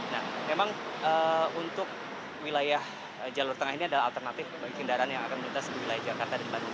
nah memang untuk wilayah jalur tengah ini adalah alternatif bagi kendaraan yang akan melintas di wilayah jakarta dan bandung